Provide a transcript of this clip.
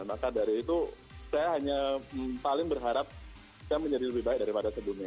maka dari itu saya hanya paling berharap kita menjadi lebih baik daripada sebelumnya